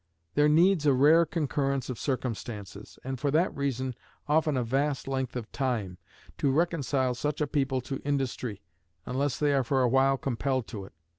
There needs a rare concurrence of circumstances, and for that reason often a vast length of time, to reconcile such a people to industry, unless they are for a while compelled to it.